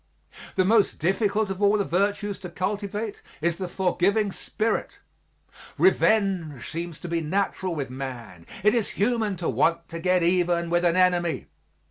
The most difficult of all the virtues to cultivate is the forgiving spirit. Revenge seems to be natural with man; it is human to want to get even with an enemy.